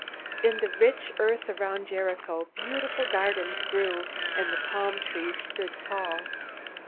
In the rich earth around Jericho beautiful gardens grew, and the palm trees stood tall.